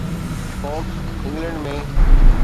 pox England ۾